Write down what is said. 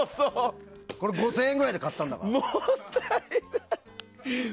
５０００円ぐらいで買ったんだから。